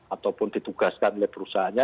ataupun ditugaskan oleh perusahaannya